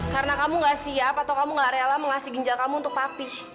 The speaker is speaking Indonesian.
karena kamu nggak siap atau kamu nggak rela mengasih ginjal kamu untuk papi